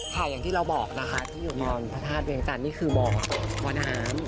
อย่างที่เราบอกนะคะที่อยู่บนพระธาตุเวียงจันทร์นี่คือบ่อน้ำ